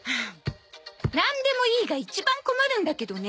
「なんでもいい」が一番困るんだけどね。